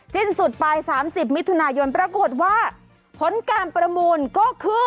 สิ้นสุดไป๓๐มิถุนายนปรากฏว่าผลการประมูลก็คือ